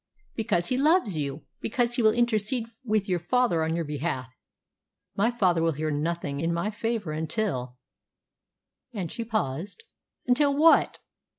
"Because he loves you. Because he will intercede with your father on your behalf." "My father will hear nothing in my favour until " and she paused. "Until what?"